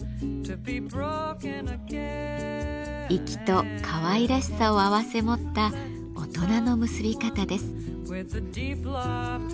粋とかわいらしさを併せ持った大人の結び方です。